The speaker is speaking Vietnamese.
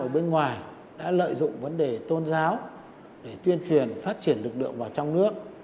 ở bên ngoài đã lợi dụng vấn đề tôn giáo để tuyên truyền phát triển lực lượng vào trong nước